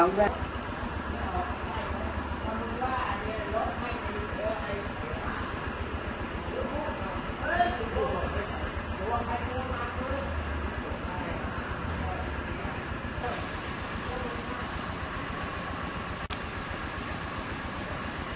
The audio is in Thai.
นี่